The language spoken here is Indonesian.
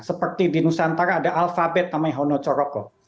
seperti di nusantara ada alfabet namanya hono choroko